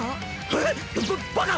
えっ⁉ババカ！